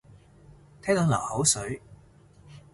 睇到流口水